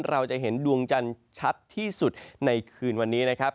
เราจะเห็นดวงจันทร์ชัดที่สุดในคืนวันนี้นะครับ